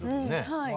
はい。